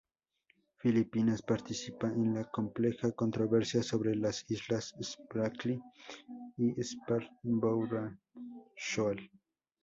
Filipinas participa en la compleja controversia sobre las Islas Spratly y Scarborough Shoal.